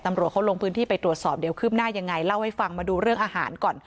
ตำรวจเขาลงพื้นที่ไปตรวจสอบเดี๋ยวคืบหน้ายังไงเล่าให้ฟังมาดูเรื่องอาหารก่อน